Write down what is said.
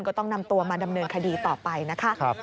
ก็ต้องนำตัวมาดำเนินคดีต่อไปนะคะ